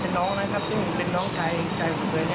ครับในแต่หน้าที่ก็เป็นน้องซึ่งเป็นน้องชายเหลือ